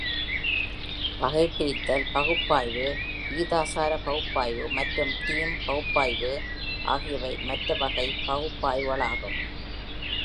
வகைபிரித்தல் பகுப்பாய்வு, விகிதாசார பகுப்பாய்வு மற்றும் தீம் பகுப்பாய்வு ஆகியவை மற்ற வகை பகுப்பாய்வுகளாகும்.